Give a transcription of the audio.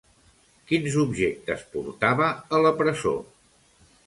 Quins objectes portava a la presó?